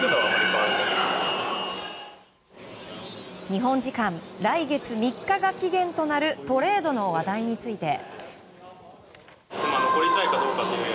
日本時間来月３日が期限となるトレードの話題について。